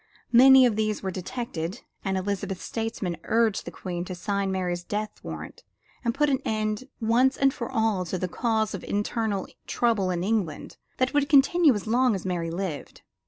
Many of these were detected, and Elizabeth's statesmen urged the Queen to sign Mary's death warrant and put an end once and for all to the cause for internal trouble in England that would continue as long as Mary lived.